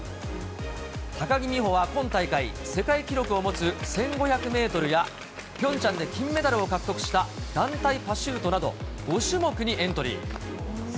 高木美帆は今大会、世界記録を持つ１５００メートルや、ピョンチャンで金メダルを獲得した、団体パシュートなど５種目にエントリー。